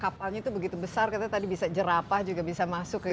kapalnya itu begitu besar kita tadi bisa jerapah juga bisa masuk ke indonesia